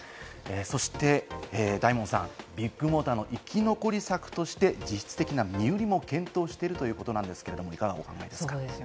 大門さん、ビッグモーターの生き残り策として実質的な身売りも検討しているということなんですけれども、いかがお考えですか？